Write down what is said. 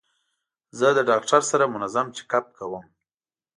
زه له ډاکټر سره منظم چیک اپ کوم.